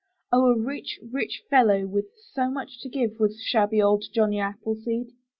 Oh, a rich, rich young fellow with so much to give was shabby old Johnny Appleseed!